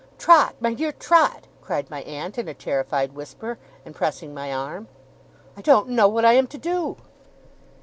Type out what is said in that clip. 'Trot! My dear Trot!' cried my aunt, in a terrified whisper, and pressing my arm. 'I don't know what I am to do.